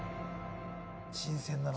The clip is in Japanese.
新鮮だな。